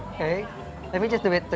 oke kita ambil seperti itu